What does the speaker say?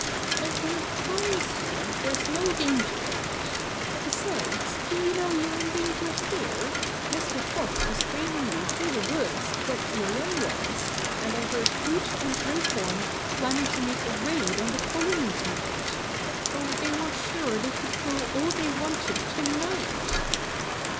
"I can promise you there's no danger of it. Besides, do you know you're in danger here? Mr. Fox was trailing you through the woods to get your young ones, and I heard Hoot and Great Horn planning to make a raid on the colony tonight. Oh, they were sure they could kill all they wanted tonight."